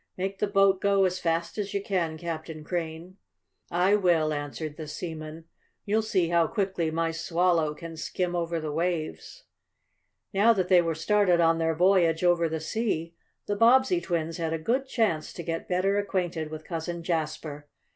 "Make the boat go as fast as you can, Captain Crane." "I will," answered the seaman. "You'll see how quickly my Swallow can skim over the waves." Now that they were started on their voyage over the sea the Bobbsey twins had a good chance to get better acquainted with Cousin Jasper.